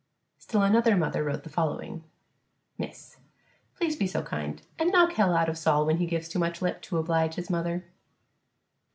Still another mother wrote the following: _Miss _: Please be so kind an' knock hell out of Sol when he gives too much lip to oblige his mother.